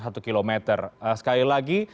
satu kilometer sekali lagi